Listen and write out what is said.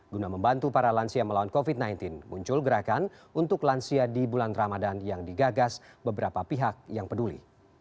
guna membantu para lansia melawan covid sembilan belas muncul gerakan untuk lansia di bulan ramadan yang digagas beberapa pihak yang peduli